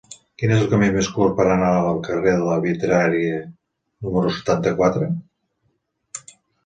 Quin és el camí més curt per anar al carrer de la Vitrària número setanta-quatre?